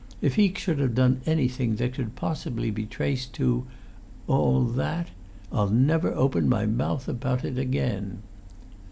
If he should have done anything that could possibly be traced to ... all that.... I'll never open my mouth about it again."